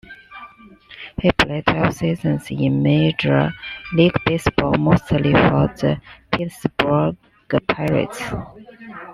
He played twelve seasons in Major League Baseball, mostly for the Pittsburgh Pirates.